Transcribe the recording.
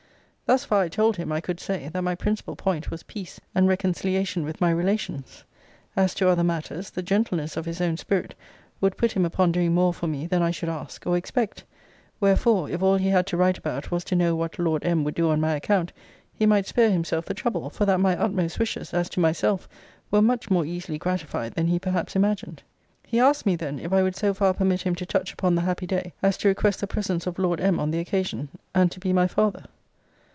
Thus far, I told him, I could say, that my principal point was peace and reconciliation with my relations. As to other matters, the gentleness of his own spirit would put him upon doing more for me than I should ask, or expect. Wherefore, if all he had to write about was to know what Lord M. would do on my account, he might spare himself the trouble, for that my utmost wishes, as to myself, were much more easily gratified than he perhaps imagined. He asked me then, if I would so far permit him to touch upon the happy day, as to request the presence of Lord M. on the occasion, and to be my father?